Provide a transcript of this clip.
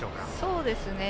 そうですね。